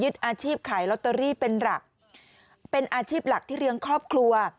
ยึดอาชีพขายลอตเตอรี่เป็นอาชีพหลักที่เรียงครอบครัว